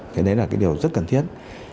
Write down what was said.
thế đấy là điều rất cần thiết